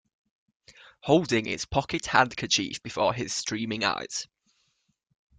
Holding his pocket handkerchief before his streaming eyes.